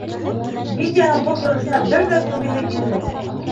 Витяның был торошона бер ҙә күнгеһе килмәй.